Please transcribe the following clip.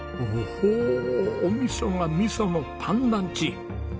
おお！お味噌がミソのパンランチ。